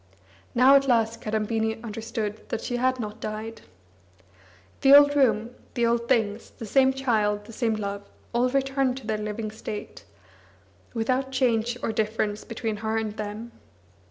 Now at last Kadambini understood that she had not died. The old room, the old things, the same child, the same love, all returned to their living state, without change or difference between her and them.